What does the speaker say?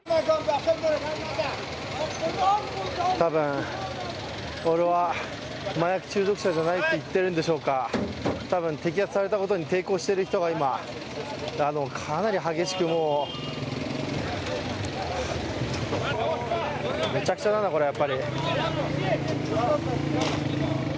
たぶん、俺は麻薬中毒者じゃないと言っているんでしょうか、摘発されたことに抵抗している人が今、かなり激しくもう、めちゃくちゃだな、これ、やっぱり。